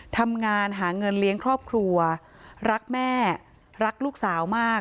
ทำงานหาเงินเลี้ยงครอบครัวรักแม่รักลูกสาวมาก